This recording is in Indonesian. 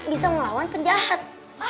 bisa ngelawan penjahat